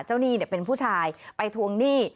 หนี้เป็นผู้ชายไปทวงหนี้